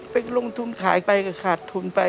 ไปลงทุนขายไปก็ขาดทุนไป